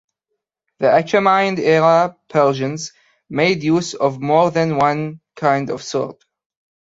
The Achaemenid-era Persians made use of more than one kind of sword.